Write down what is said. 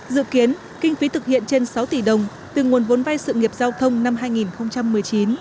dự kiến kinh phí thực hiện trên sáu tỷ đồng từ nguồn vốn vai sự nghiệp giao thông năm hai nghìn một mươi chín